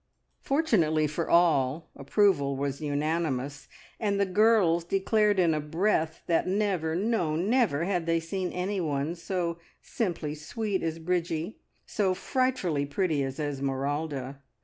Fortunately for all, approval was unanimous, and the girls declared in a breath that never, no never, had they seen anyone so "simply sweet" as Bridgie, so "frightfully pretty" as Esmeralda.